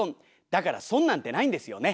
だからソンなんてないんですよね。